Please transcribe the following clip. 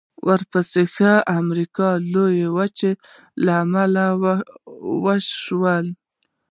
ورته پېښې ښايي د امریکا لویه وچه کې لامل شوې وي.